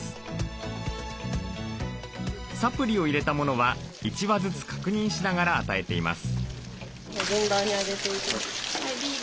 サプリを入れたものは１羽ずつ確認しながら与えています。